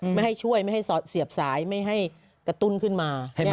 ไม่ให้ช่วยไม่ให้เสียบสายไม่ให้กระตุ้นขึ้นมา